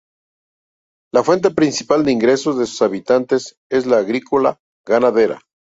La fuente principal de ingresos de sus habitantes es la agrícola-ganadera.